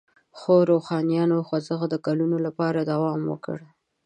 خو روښانیانو خوځښت د کلونو لپاره دوام وکړ.